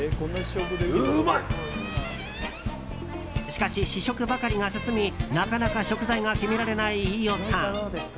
しかし試食ばかりが進みなかなか食材が決められない飯尾さん。